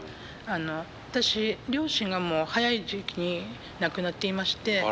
私両親がもう早い時期に亡くなっていまして。